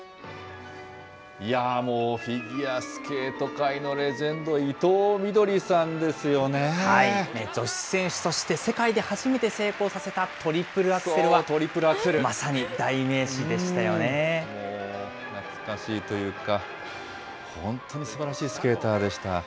もう、フィギュアスケート界のレジェンド、女子選手として、世界で初めて成功させたトリプルアクセルはまさに代名詞でしたよ懐かしいというか、本当にすばらしいスケーターでした。